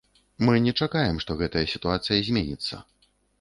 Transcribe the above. Мы не чакаем, што гэтая сітуацыя зменіцца.